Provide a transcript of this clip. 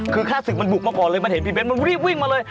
คือแค่ศึกมันบุกมาก่อนเลยมันเห็นพี่เบ้นมันรีบวิ่งมาเลย